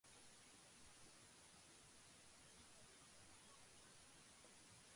He was wounded, suffered from malaria and was hospitalized for almost a year.